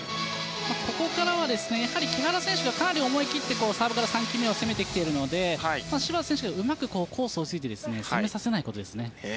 ここからは木原選手がかなり思い切ってサーブから３球目を攻めてきているので芝田選手、うまくコースを突いて攻めさせないことです。